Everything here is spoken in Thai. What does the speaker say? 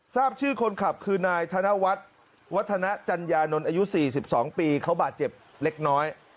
ทราบชื่อคนขับคือนายธนวัฒน์วัฒนาจัญญานนท์อายุ๔๒ปีเขาบาดเจ็บเล็กน้อย